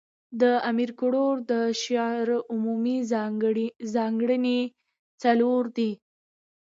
د امیر کروړ د شعر عمومي ځانګړني، څلور دي.